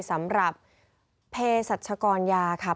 สำหรับเพศรัชกรยาค่ะ